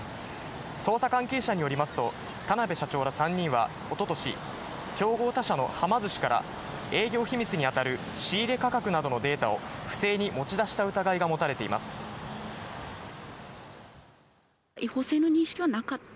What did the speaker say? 捜査関係者によりますと、田辺社長ら３人はおととし、競合他社のはま寿司から、営業秘密に当たる仕入れ価格などのデータを不正に持ち出した疑い違法性の認識はなかった？